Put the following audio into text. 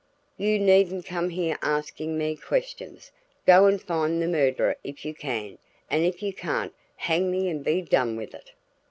"You needn't come here asking me questions. Go and find the murderer if you can, and if you can't, hang me and be done with it."